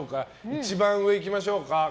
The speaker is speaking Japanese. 一番上行きましょうか。